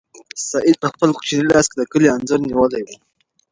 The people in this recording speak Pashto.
سعید په خپل کوچني لاس کې د کلي انځور نیولی و.